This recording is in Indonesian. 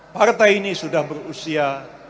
partai ini sudah berusia